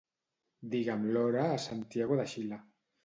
Digue'm l'hora a Santiago de Xile.